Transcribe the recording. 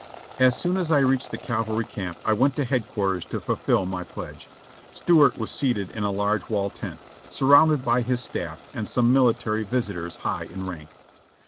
As soon as I reached the cavalry camp I went to headquarters to fulfil my pledge. Stuart was seated in a large wall tent, surrounded by his staff and some military visitors high in rank.